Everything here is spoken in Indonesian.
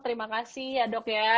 terima kasih ya dok ya